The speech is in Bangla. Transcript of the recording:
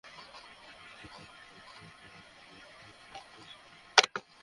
তিনি বললেন, আমি দেখলাম, আমার মাথা মুণ্ডানো হয়েছে।